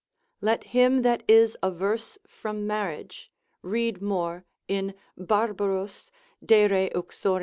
Let him that is averse from marriage read more in Barbarus de re uxor.